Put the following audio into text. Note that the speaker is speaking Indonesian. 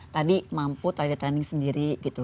tadi mampu toilet training sendiri gitu